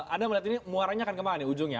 anda melihat ini muaranya akan kemana nih ujungnya